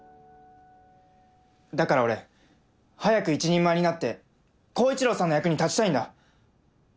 だから俺早く一人前になって洸一郎さんの役に立ちたいんだ。